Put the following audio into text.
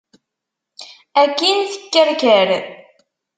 Akin tekkerker.